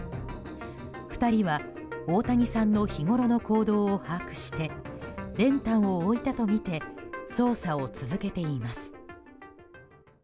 ２人は大谷さんの日ごろの行動を把握して練炭を置いたとみて捜査を続けています。